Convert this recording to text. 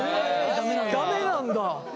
ダメなんだ。